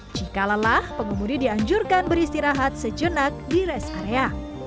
jika lelah pengemudi dianjurkan beristirahat sejenak di rest area